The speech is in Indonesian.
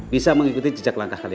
bisa mengikuti jejak langkah kalian